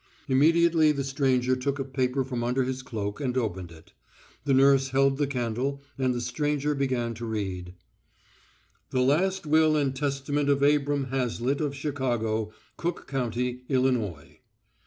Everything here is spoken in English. Immediately the stranger took a paper from under his cloak and opened it. The nurse held the candle and the stranger began to read: The last will and testament of Abram Hazlitt of Chicago, Cook county, Illinois.